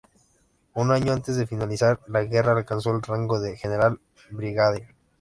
Un año antes de finalizar la guerra, alcanzó el rango de General Brigadier.